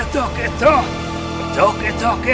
tuk tuk tuk tuk